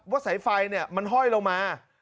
ว่าสายไฟเนี่ยมันห้อยลงมา